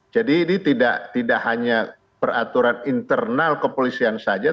jadi ini tidak hanya peraturan internal kepolisian saja